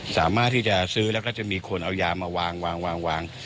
สามารถที่จะซื้อแล้วก็จะมีคนเอายามาวางวาง